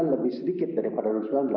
lebih sedikit daripada dua ribu sembilan belas